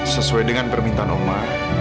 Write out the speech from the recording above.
sesuai dengan permintaan oma